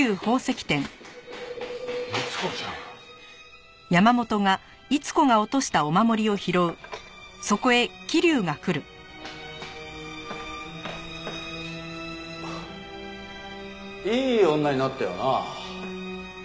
逸子ちゃん。いい女になったよな。